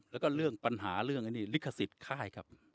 แล้วก็ปัญหาเรื่องริขสิทธิ์ค่ายครับ